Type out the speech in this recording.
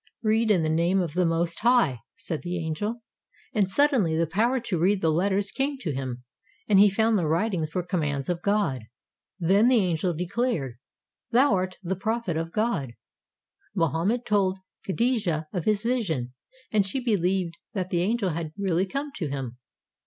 "Read, in the name of the Most High," said the angel; and 494 MOHAMMED suddenly the power to read the letters came to him, and he found the writings were commands of God. Then the angel declared, "Thou art the prophet of God." Mohammed told Kadijah of his vision, and she be lieved that the angel had really come to him.